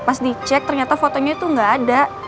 pas dicek ternyata fotonya tuh gak ada